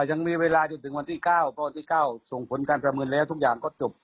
ยังมีเวลาจนถึงวันที่๙เพราะวันที่๙ส่งผลการประเมินแล้วทุกอย่างก็จบ